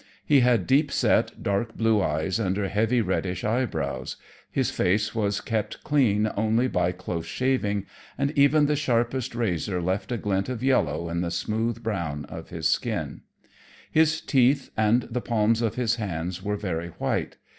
He had deep set, dark blue eyes under heavy reddish eyebrows. His face was kept clean only by close shaving, and even the sharpest razor left a glint of yellow in the smooth brown of his skin. His teeth and the palms of his hands were very white.